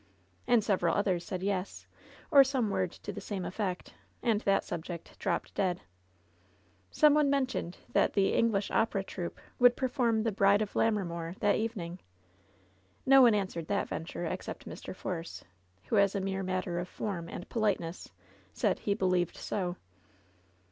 And several others said yes, or some word to the same effect, and that subject dropped dead. Some one mentioned that the "English Opera Troupe^^ would perform the "Bride of Lammermoor" that eve ning. No one answered that venture except Mr. Force, who, as a mere matter of form and politeness, said he believed so.